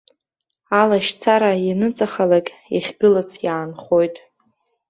Алашьцара ианыҵахалак иахьгылац иаанхоит.